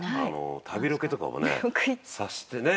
旅ロケとかもねさせてねえ？